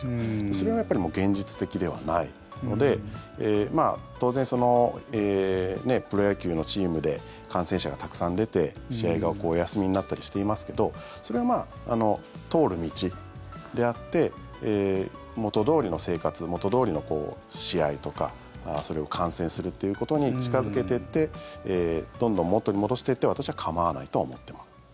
それは現実的ではないので当然、プロ野球のチームで感染者がたくさん出て、試合がお休みになったりしていますけどそれはまあ、通る道であって元どおりの生活元どおりの試合とかそれを観戦するっていうことに近付けてってどんどん元に戻していって私は構わないと思っています。